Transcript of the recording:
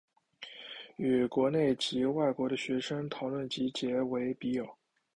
与国内及外国的学生讨论及结为笔友。